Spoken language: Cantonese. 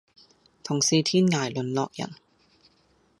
同是天涯淪落人